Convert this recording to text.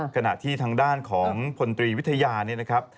ขณะที่ทางด้านของพลตรีวิทยาเนี่ยนะครับ